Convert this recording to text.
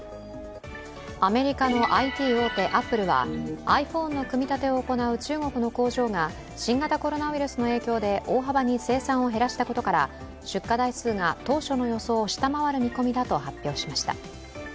アメリカのＩＴ大手アップルはｉＰｈｏｎｅの組み立てを行う中国の工場が新型コロナウイルスの影響で大幅に生産を減らしたことから、出荷台数が当初の予想を下回る見込みだと発表しました。